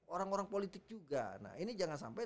orang orang politik juga nah ini jangan sampai